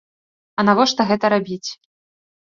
А навошта гэта рабіць?